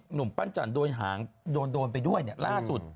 หนุ่มปั้นจันโดนหางโดนไปด้วยล่าสุด